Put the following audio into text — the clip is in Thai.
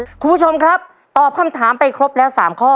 คุณผู้ชมครับตอบคำถามไปครบแล้ว๓ข้อ